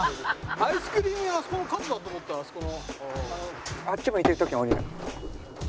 アイスクリーム屋あそこの角だとあそこの。